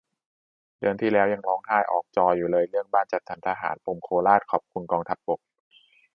เดือนที่แล้วยังร้องไห้ออกจออยู่เลย เรื่องบ้านจัดสรรทหาร ปมโคราช ขอบคุณกองทัพบก